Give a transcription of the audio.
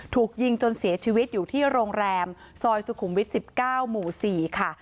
ถูกยิงจนเสียชีวิตอยู่ที่โรงแรมซอยสุขุมวิท๑๙หมู่๔ค่ะ